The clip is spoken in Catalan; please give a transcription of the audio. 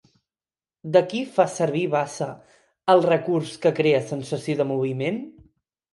De qui fa servir Bassa el recurs que crea sensació de moviment?